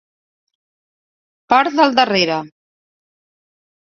Part del darrere: